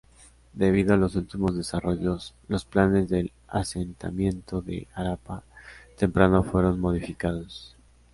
Debido a los últimos desarrollos, los planes del asentamiento de Harappa temprano fueron modificados.